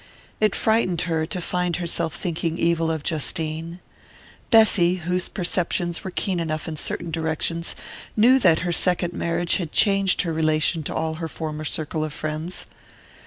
It frightened her to find herself thinking evil of Justine. Bessy, whose perceptions were keen enough in certain directions, knew that her second marriage had changed her relation to all her former circle of friends.